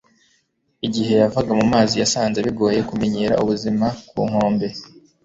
igihe yavaga mu mazi, yasanze bigoye kumenyera ubuzima ku nkombe